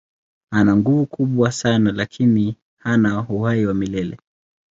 Ana nguvu kubwa sana lakini hana uhai wa milele.